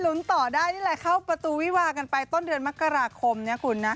ต่อได้นี่แหละเข้าประตูวิวากันไปต้นเดือนมกราคมนะคุณนะ